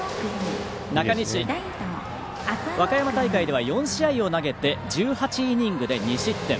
中西、和歌山大会では４試合を投げて１８イニングで２失点。